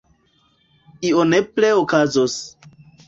Io nepre okazos.